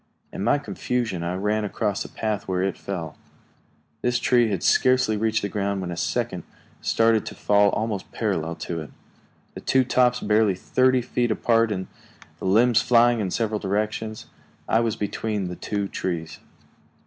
In my confusion I ran across the path where it fell. This tree had scarcely reached the ground when a second started to fall almost parallel to it, the two tops barely thirty feet apart and the limbs flying in several directions. I was between the two trees.